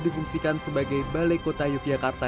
difungsikan sebagai balai kota yogyakarta